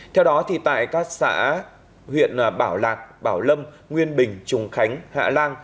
theo đó tại các xã huyện bảo lạc bảo lâm nguyên bình trùng khánh hạ lan